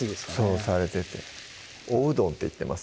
そうされてて「おうどん」って言ってます